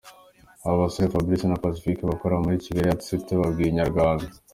Aba basore, Fabrice na Pacifique bakorera muri Kigali Art Center, babwiye Inyarwanda.